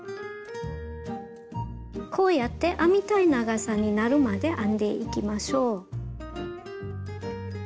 こうやって編みたい長さになるまで編んでいきましょう。